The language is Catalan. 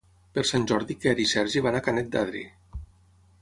Per Sant Jordi en Quer i en Sergi van a Canet d'Adri.